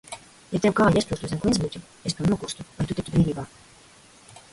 Ja tev kāja iesprūstu zem klintsbluķa, es to nokostu, lai tu tiktu brīvībā.